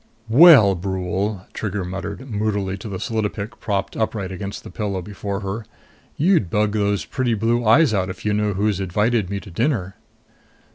"Well, Brule," Trigger muttered moodily to the solidopic propped upright against the pillow before her, "you'd bug those pretty blue eyes out if you knew who's invited me to dinner!"